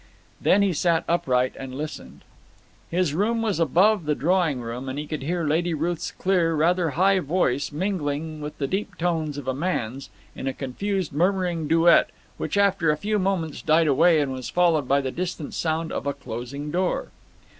Then he sat upright, and listened. His room was above the drawing room, and he could hear Lady Ruth's clear, rather high voice mingling with the deep tones of a man's, in a confused, murmuring duet which after a few moments died away and was followed by the distant sound of a closing door.